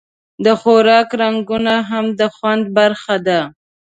د خوراک رنګونه هم د خوند برخه ده.